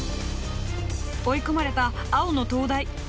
追い込まれた青の東大。